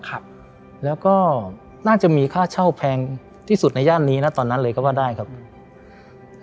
ครับแล้วก็น่าจะมีค่าเช่าแพงที่สุดในย่านนี้นะตอนนั้นเลยก็ว่าได้ครับ